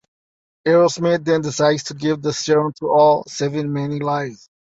Arrowsmith then decides to give the serum to all, saving many lives.